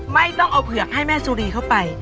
ไม่ต้องเอาเผือกให้แม่สุรีเข้าไป